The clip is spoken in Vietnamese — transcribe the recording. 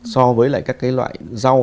so với lại các cái loại rau